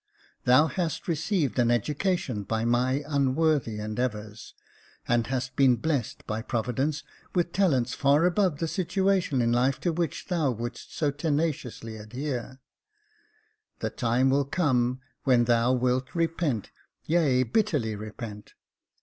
Thou hast received an education by my unworthy endeavours, and hast been blessed by Providence with talents far above the situation in life to which thou wouldst so tenaciously adhere j the time will come when thou wilt repent, yea, bitterly repent.